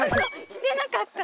してなかった！